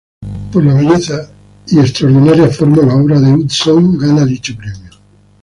Por la belleza y extraordinaria forma la obra de Utzon gana dicho premio.